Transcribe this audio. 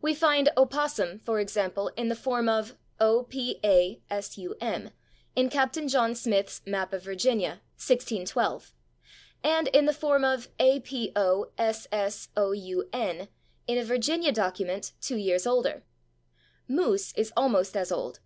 We find /opossum/, for example, in the form of /opasum/, in Captain John Smith's "Map of Virginia" (1612), and, in the form of /apossoun/, in a Virginia document two years older. /Moose/ is almost as old.